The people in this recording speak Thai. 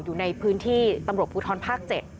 อยู่ในพื้นที่ตำรวจภูทรภาค๗